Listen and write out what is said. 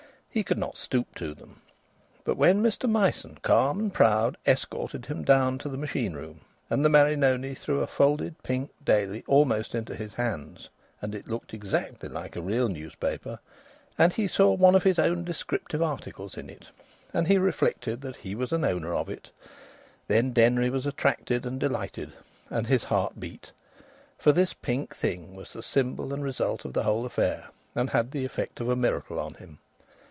He could not stoop to them. But when Mr Myson, calm and proud, escorted him down to the machine room, and the Marinoni threw a folded pink Daily almost into his hands, and it looked exactly like a real newspaper, and he saw one of his own descriptive articles in it, and he reflected that he was an owner of it then Denry was attracted and delighted, and his heart beat. For this pink thing was the symbol and result of the whole affair, and had the effect of a miracle on him.